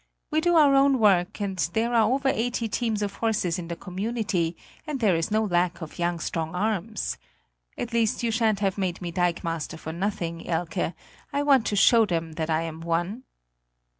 We do our own work and there are over eighty teams of horses in the community, and there is no lack of young strong arms. At least you shan't have made me dikemaster for nothing, Elke; I want to show them that I am one!"